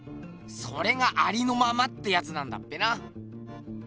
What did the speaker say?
それが「ありのまま」ってやつなんだっぺな。